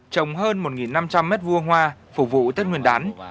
trồng hơn một năm trăm linh mét vua hoa phục vụ tết nguyên đán